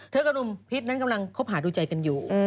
กับหนุ่มพิษนั้นกำลังคบหาดูใจกันอยู่